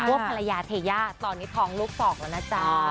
พวกภรรยาเทย่าตอนนี้ทองลูกฟอกแล้วนะจ้า